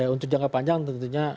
untuk jangka panjang tentunya